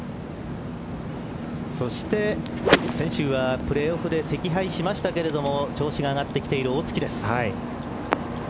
そして先週はプレーオフで惜敗しましたが調子が上がってきている大槻です。